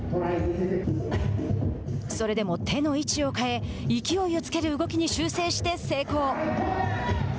それでも手の位置を変え勢いを付ける動きに修正して成功。